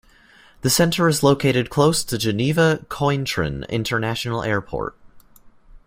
The center is located close to Geneva Cointrin International Airport.